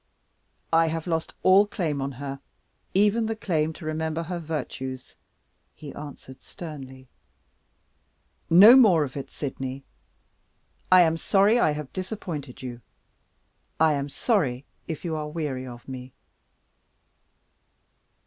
"I have lost all claim on her even the claim to remember her virtues," he answered, sternly. "No more of it, Sydney! I am sorry I have disappointed you; I am sorry if you are weary of me."